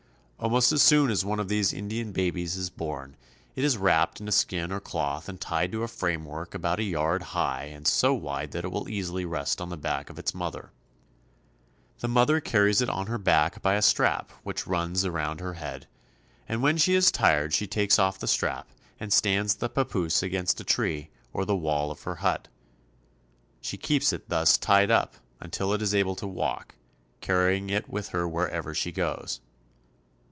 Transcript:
Almost as soon as one of these Indian babies is born it is wrapped in a skin or cloth and tied to a framework about a yard high and so wide that it will easily rest on the back of its mother. The mo ther carries it on her back by a strap which runs around her head, and when she is tired she takes off the strap and stands the papoose against a tree or the wall of her hut. She keeps it thus tied up until it is able to walk, carrying it with her wherever she goes.